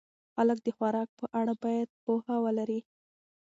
خلک د خوراک په اړه باید پوهه ولري.